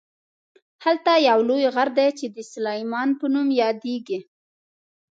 هلته یو لوی غر دی چې د سلیمان په نوم یادیږي.